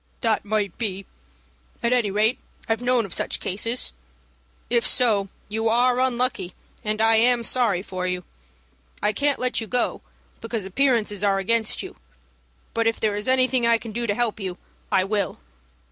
"That might be. At any rate, I've known of such cases. If so, you are unlucky, and I am sorry for you. I can't let you go, because appearances are against you, but if there is anything I can do to help you I will."